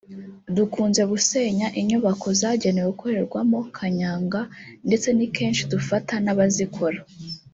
dukunze gusenya inyubako zagenewe gukorerwamo kanyanga ndetse ni kenshi dufata n’abazikora”